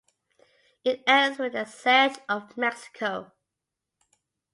It ends with the siege of Mexico.